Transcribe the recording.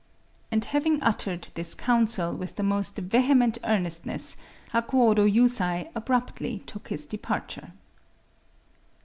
…" And having uttered this counsel with the most vehement earnestness, Hakuōdō Yusai abruptly took his departure.